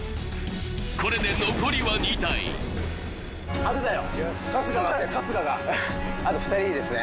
これで残りは２体当てたよ